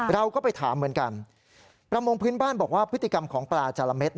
เราก็ไปถามเหมือนกันประมงพื้นบ้านบอกว่าพฤติกรรมของปลาจาระเม็ด